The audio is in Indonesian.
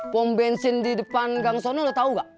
pomp bensin di depan gang sono lo tau enggak